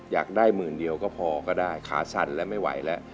อยากได้หมื่นเดียวก็พอก็ได้ขาสั่นแล้วไม่ไหวแล้ว